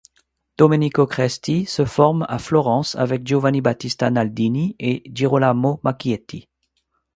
Domenico Cresti se forme à Florence avec Giovanni Battista Naldini et Girolamo Macchietti.